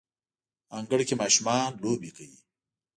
انګړ کې ماشومان لوبې کوي